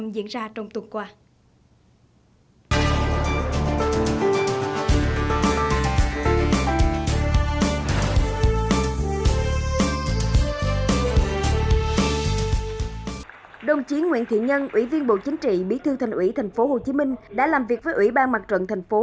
đồng chí nguyễn thiện nhân ủy viên bộ chính trị bí thư thành ủy tp hcm đã làm việc với ủy ban mặt trận thành phố